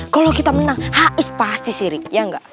kalau kita menang hais pasti sirik ya gak